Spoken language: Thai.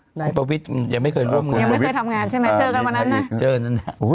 ประวิทย์ประวิทย์ยังไม่เคยร่วมงานยังไม่เคยทำงานใช่ไหมเจอกันวันนั้นน่ะ